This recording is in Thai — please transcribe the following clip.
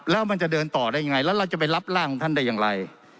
แล้วมันจะเดินต่อได้ยังไงแล้วเราจะไปรับร่างของท่านได้อย่างไร